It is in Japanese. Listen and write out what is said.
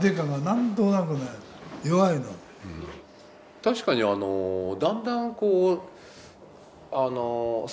確かにあのだんだんこう。